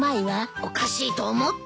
おかしいと思ったよ。